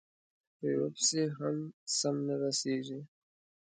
په یوه پسې هم سم نه رسېږي،